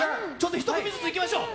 １組ずついきましょう。